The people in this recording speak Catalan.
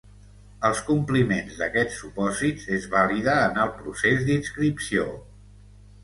El compliment d'aquests supòsits es valida en el procés d'inscripció.